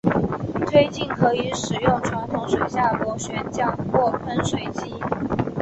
推进可以使用传统水下螺旋桨或喷水机。